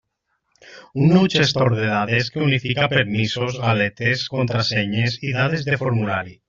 Un nou gestor de dades que unifica permisos, galetes, contrasenyes i dades de formulari.